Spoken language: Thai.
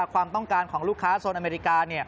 ความต้องการของลูกค้าโซนอเมริกา